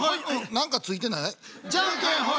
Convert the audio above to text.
何かついてない？